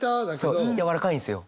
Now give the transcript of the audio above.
そうやわらかいんですよ。